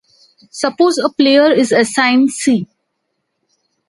Suppose a player is assigned "C".